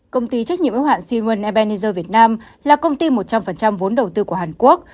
công ty trách nhiệm ưu hoạn siemens ebenezer việt nam là công ty một trăm linh vốn đầu tư của hàn quốc